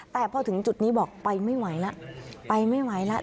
แต่พอถึงจุดนี้บอกไปไม่ไหวแล้วไปไม่ไหวแล้ว